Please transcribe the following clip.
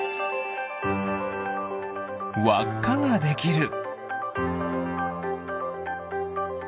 わっかができる。